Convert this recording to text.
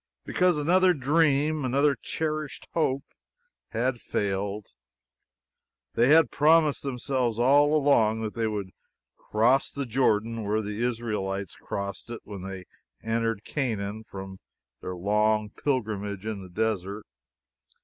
Because another dream, another cherished hope, had failed. They had promised themselves all along that they would cross the Jordan where the Israelites crossed it when they entered Canaan from their long pilgrimage in the desert.